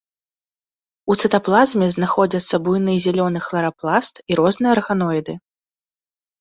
У цытаплазме знаходзяцца буйны зялёны хларапласт і розныя арганоіды.